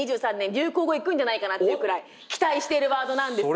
流行語いくんじゃないかなっていうくらい期待してるワードなんですが。